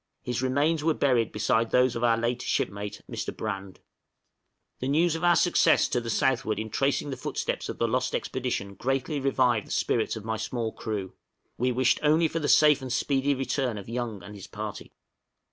His remains were buried beside those of our late shipmate Mr. Brand. {ANXIETY FOR CAPTAIN YOUNG.} The news of our success to the southward in tracing the footsteps of the lost expedition greatly revived the spirits of my small crew; we wished only for the safe and speedy return of Young and his party.